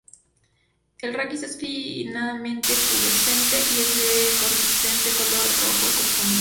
El raquis es finamente pubescente y es de un consistente color rojo profundo.